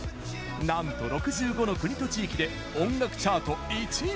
なんと６５の国と地域で音楽チャート１位！